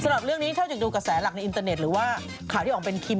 สำหรับเรื่องนี้เท่าจากดูกระแสหลักในอินเตอร์เน็ตหรือว่าข่าวที่ออกเป็นคิม